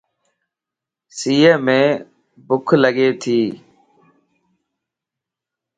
سيءَ مَ ڀوک لڳي تي.